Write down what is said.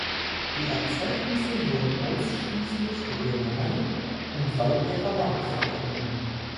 Die Erzeugnisse werden ausschließlich regional im Waldecker Land vertrieben.